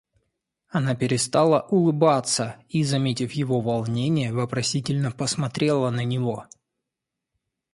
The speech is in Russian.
Она перестала улыбаться и, заметив его волнение, вопросительно посмотрела на него.